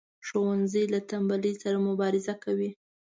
ښوونځی له تنبلی سره مبارزه کوي